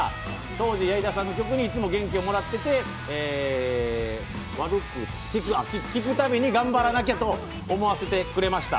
当時、矢井田さんの曲にいつも元気をもらってて聴くたびに頑張らなきゃと思わせてくれました。